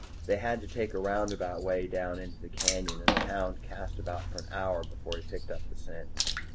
They had to take a roundabout way down into the canyon and the hound cast about for an hour before he picked up the scent.